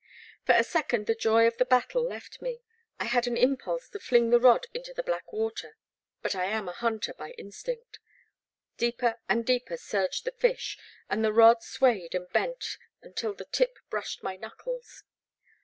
For a second the joy of the battle left me. I had an impulse to fling the rod into the Black Water; but I am a hunter by instinct. Deeper and deeper surged the fish, and the rod swayed and bent until the tip brushed my knuckles.